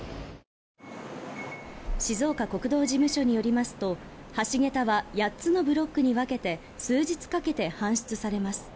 静岡国道事務所によりますと橋げたは８つのブロックに分けて数日かけて搬出されます。